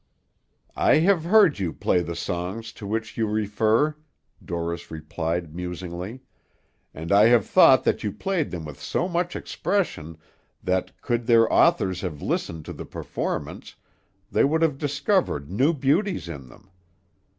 "I have heard you play the songs to which you refer," Dorris replied musingly, "and I have thought that you played them with so much expression that, could their authors have listened to the performance, they would have discovered new beauties in them.